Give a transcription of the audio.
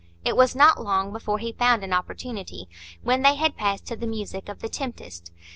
It was not long before he found an opportunity, when they had passed to the music of "The Tempest."